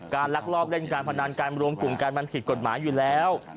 ลักลอบเล่นการพนันการรวมกลุ่มกันมันผิดกฎหมายอยู่แล้ว